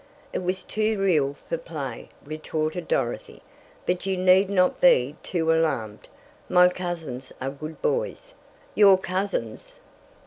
"It was too real for play," retorted Dorothy. "But you need not be too alarmed. My cousins are good boys." "Your cousins?"